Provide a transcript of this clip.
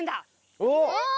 お！